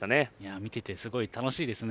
見ていてすごい楽しいですね。